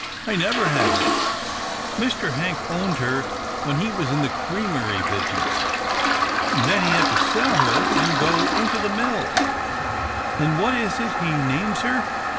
I never had her. Mr. Hank owned her when he was in the creamery business. Then he had to sell her, and go into the mill." "An' what is it he names her?"